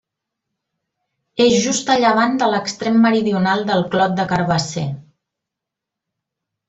És just a llevant de l'extrem meridional del Clot de Carabasser.